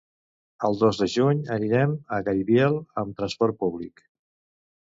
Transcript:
El dos de juny anirem a Gaibiel amb transport públic.